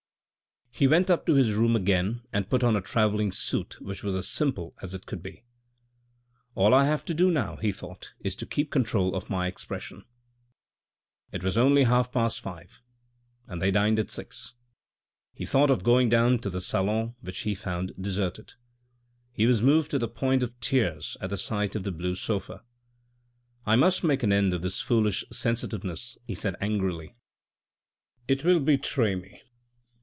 He went up to his room again and put on a travelling suit which was as simple as it could be. " All I have to do now," he thought, " is to keep control of my expression." It was only half past five and they dined at six. He thought of going down to the salon which he found deserted. He was moved to the point of tears at the sight of the blue sofa. " I must make an end of this foolish sensitiveness," he said angrily, " it will betray me."